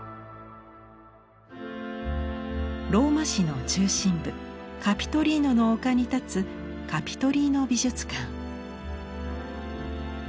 ローマ市の中心部カピトリーノの丘に立つカピトリーノ美術館。